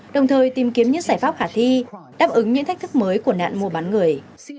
đồng thời tìm kiếm những giải pháp khả thi đáp ứng những thách thức mới của nạn mua bán người